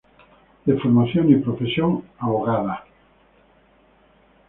De formación y profesión abogada.